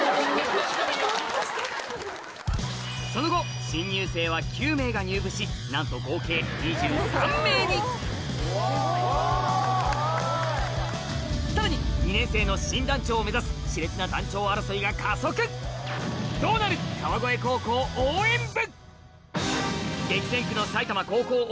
その後新入生は９名が入部しなんと合計２３名にさらに２年生の新団長を目指す熾烈な団長争いが加速どうなる川越高校応援部！